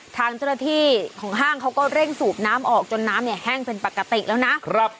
ทางเจ้าหน้าที่ของห้างเขาก็เร่งสูบน้ำออกจนน้ำเนี่ยแห้งเป็นปกติแล้วนะครับ